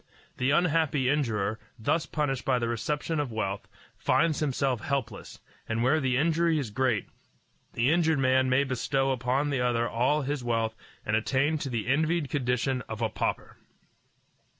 The unhappy injurer, thus punished by the reception of wealth, finds himself helpless; and where the injury is great, the injured man may bestow upon the other all his wealth and attain to the envied condition of a pauper.